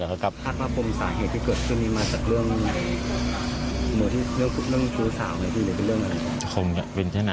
ภาพมหรือภูมิสาเหตุที่เกิดขึ้นมาจากเรื่องเรื่องชู้สาวอะไรสักทีเรื่องอะไร